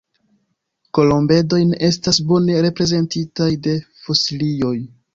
Kolombedoj ne estas bone reprezentitaj de fosilioj.